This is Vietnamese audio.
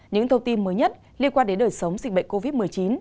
những thông tin mới nhất liên quan đến đời sống dịch bệnh covid một mươi chín